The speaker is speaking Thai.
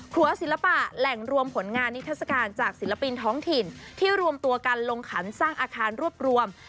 หัวศิลปะแหล่งรวมผลงานนิทัศกาลจากศิลปินท้องถิ่นที่รวมตัวกันลงขันสร้างอาคารรวบรวม